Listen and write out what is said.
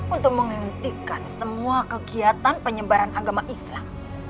untuk menghentikan semua kegiatan penyebaran agama islam